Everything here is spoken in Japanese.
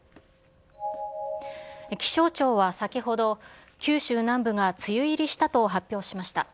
気象庁は先ほど、九州南部が梅雨入りしたと発表しました。